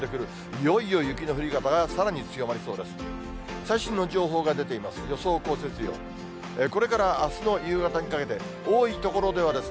いよいよ雪の降り方がさらに強まりそうです。